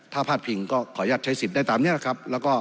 ถ้าพาดพิงก็ขออนุญาตใช้สิทธิภาคมันนี้ครับ